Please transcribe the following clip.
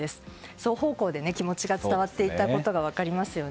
双方向で気持ちが伝わっていたことが分かりますよね。